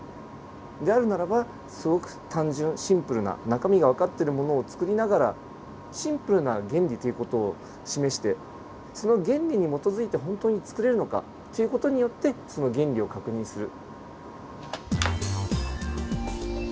であるならばすごく単純シンプルな中身がわかってるものをつくりながらシンプルな原理という事を示してその原理に基づいて本当につくれるのかっていう事によってその原理を確認する。